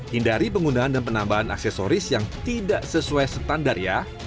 hindari penggunaan dan penambahan aksesoris yang tidak sesuai standar ya